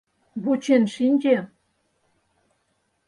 — Вучен шинче!